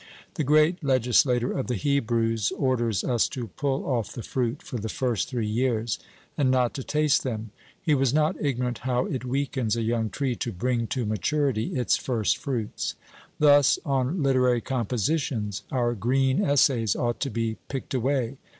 The great legislator of the Hebrews orders us to pull off the fruit for the first three years, and not to taste them. He was not ignorant how it weakens a young tree to bring to maturity its first fruits. Thus, on literary compositions, our green essays ought to be picked away.